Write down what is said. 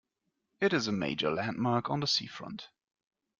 It is a major landmark on the seafront.